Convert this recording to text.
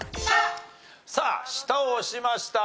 さあ下を押しました。